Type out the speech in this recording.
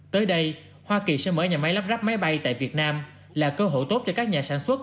tới đây hoa kỳ sẽ mở nhà máy lắp ráp máy bay tại việt nam là cơ hội tốt cho các nhà sản xuất